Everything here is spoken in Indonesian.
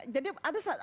jadi ada solusi